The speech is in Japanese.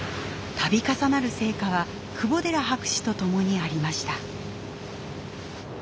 たび重なる成果は窪寺博士とともにありました。